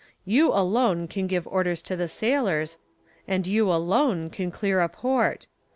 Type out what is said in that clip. You alone can give orders to the sailors and you alone can clear a port.